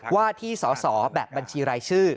ว่าที่สอสอแบบบัญชีรายชื่อ